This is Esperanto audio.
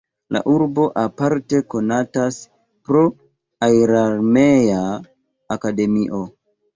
La urbo aparte konatas pro aerarmea akademio.